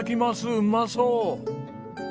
うまそう！